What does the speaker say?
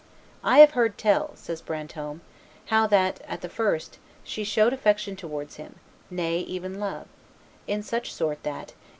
"I have heard tell," says Brantome, "how that, at the first, she showed affection towards him, nay, even love; in such sort that, if M.